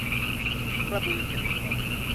กระบือเจ็ดตัว